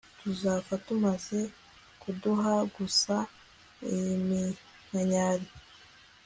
Tuzapfa tumaze kuduha gusa iminkanyari